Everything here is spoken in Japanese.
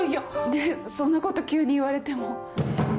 ねえそんなこと急に言われても。